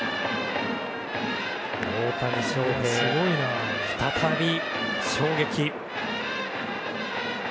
大谷翔平、再び衝撃。